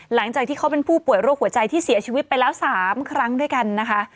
หลังจากที่เขาเป็นผู้ป่วยโรคหัวใจที่เสียชีวิตไปแล้ว๓ครั้งด้วยกันนะคะ